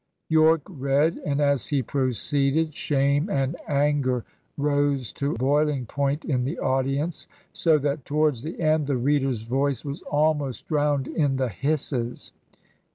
Yorke read, and as he proceeded, shame and anger rose to boiling point in the audience, so that towards the end the reader's voice was almost drowned in the hisses.